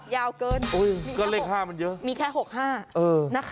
ยาวเกินก็เล่นนัยห้ามันเยอะมีแค่หกห้าเออ